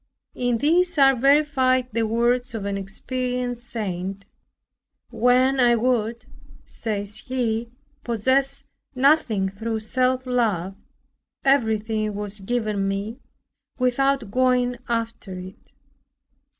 In this are verified the words of an experienced saint; "When I would," says he, "possess nothing through self love, everything was given me without going after it."